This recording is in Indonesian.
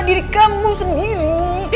diri kamu sendiri